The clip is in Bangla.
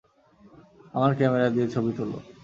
আমার ক্যামেরা দিয়ে ছবি তোলো।